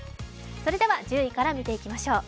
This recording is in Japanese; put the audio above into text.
それでは１０位から見ていきましょう。